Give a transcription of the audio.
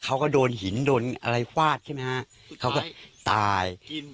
เขาก็โดนหินโดนอะไรฟาดใช่ไหมฮะเขาก็ตาย